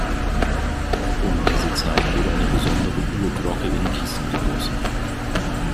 Um diese Zeit wurde eine besondere Uhrglocke in Gießen gegossen.